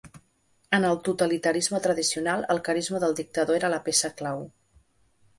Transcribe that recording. En el totalitarisme tradicional el carisma del dictador era la peça clau.